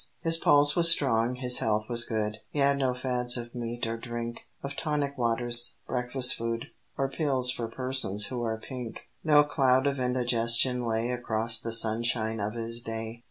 His pulse was strong, his health was good, He had no fads of meat or drink, Of tonic waters, Breakfast Food, Or Pills for Persons who are Pink; No cloud of indigestion lay Across the sunshine of his day.